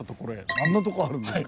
そんなとこあるんですか。